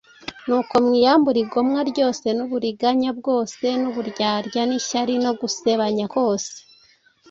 nuko mwiyambure igomwa ryose n’uburiganya bwose n’uburyarya n’ishyari no gusebanya kose,